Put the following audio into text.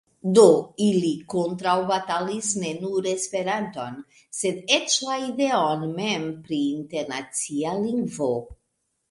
Do, ili kontraŭbatalis ne nur Esperanton, sed eĉ la ideon mem pri internacia lingvo.